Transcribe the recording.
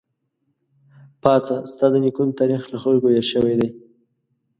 پاڅه ! ستا د نيکونو تاريخ له خلکو هېر شوی دی